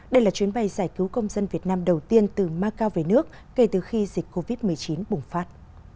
đây là chuyến bay giải cứu công dân việt nam đầu tiên từ macau về nước kể từ khi dịch covid một mươi chín bùng phát